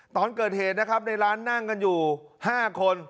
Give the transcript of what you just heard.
ตอนเกิดเหตุนะครับในร้านนั่งกันอยู่๕คน